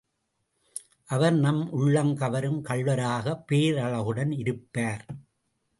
அவர் நம் உள்ளம் கவரும் கள்வராக பேரழகுடன் இருப்பார்.